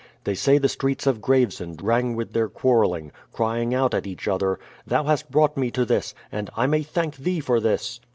They say the streets of Gravesend rang with their quar reling, crying out at each other : "Thou hast brought me to this ;" and, "I may thank thee for this